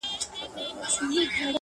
په سلايي باندي د تورو رنجو رنگ را واخلي،